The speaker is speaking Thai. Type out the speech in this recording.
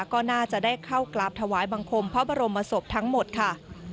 ก็น่าจะได้เข้ากราบถวายบังคมพระบรมศพทั้งหมดค่ะ